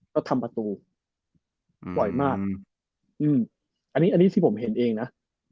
แล้วทำประตูสวยมากอันนี้ที่ผมเห็นเองนะ